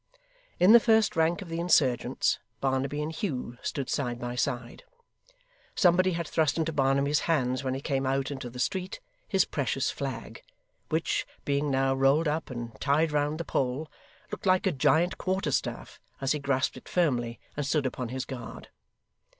In the first rank of the insurgents, Barnaby and Hugh stood side by side. Somebody had thrust into Barnaby's hands when he came out into the street, his precious flag; which, being now rolled up and tied round the pole, looked like a giant quarter staff as he grasped it firmly and stood upon his guard.